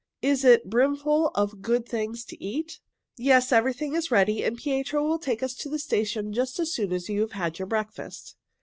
"Is it brimful of good things to eat?" "Yes, everything is ready, and Pietro will take us to the station just as soon as you have had your breakfast."